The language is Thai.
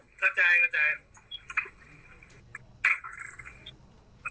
เข้าใจเข้าใจ